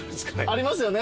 ありますよね？